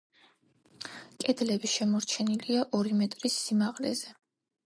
კედლები შემორჩენილია ორი მეტრის სიმაღლეზე.